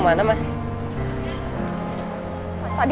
kita tinggal hati dua